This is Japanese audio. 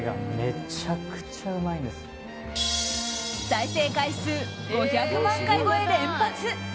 再生回数５００万回超え連発！